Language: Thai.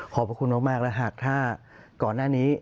พระคุณมากและหากถ้าก่อนหน้านี้